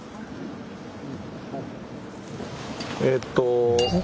えっと。